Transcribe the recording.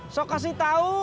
so kasih tau